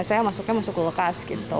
saya masuknya masuk kulkas gitu